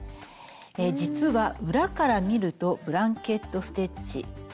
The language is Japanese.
実は裏から見るとブランケット・ステッチ。